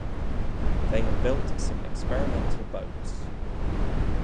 They had built some experimental boats.